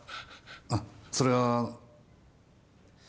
あそれは。